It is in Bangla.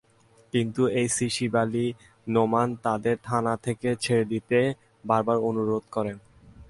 কিন্তু এসি শিবলী নোমান তাঁদের থানা থেকে ছেড়ে দিতে বারবার অনুরোধ করেন।